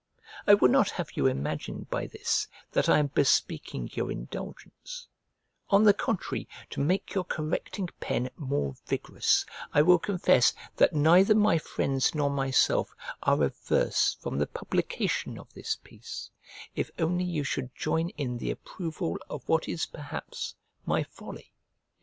I would not have you imagine by this that I am bespeaking your indulgence: on the contrary, to make your correcting pen more vigorous, I will confess that neither my friends nor myself are averse from the publication of this piece, if only you should join in the approval of what is perhaps my folly.